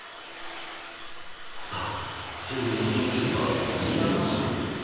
さあ勝利の条件は２連勝